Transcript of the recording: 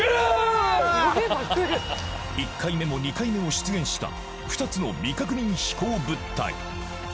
１回目も２回目も出現した２つの未確認飛行物体